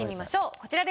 こちらです。